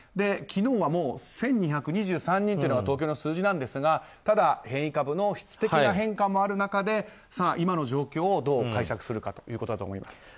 昨日はもう１２２３人というのが東京の数字なんですが、ただ変異株の質的な変化もある中で今の状況をどう解釈するかということだと思います。